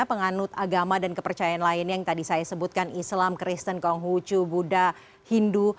penganut agama dan kepercayaan lainnya yang tadi saya sebutkan islam kristen konghucu buddha hindu